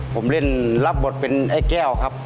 ผมเล่นรับบทเป็นไอ้แก้วครับ